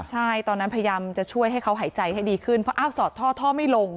ใช่ตอนนั้นพยายามจะช่วยให้เขาหายใจให้ดีขึ้นเพราะอ้าวสอดท่อท่อไม่ลง